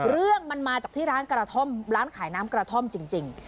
เรื่องมันมาจากที่ร้านกระท่อมร้านขายน้ำกระท่อมจริง